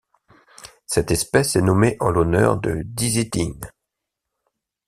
Cette espèce est nommée en l'honneur de Dizzy Dean.